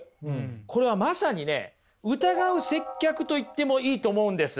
これはまさにね疑う接客と言ってもいいと思うんです。